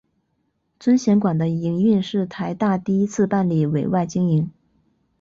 尊贤馆的营运是台大第一次办理委外经营。